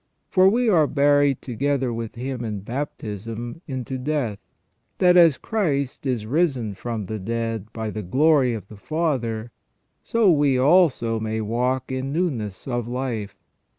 For we are buried together with Him by baptism into death : that as Christ is risen from the dead by the glory of the Father, so we also may walk in newness of life.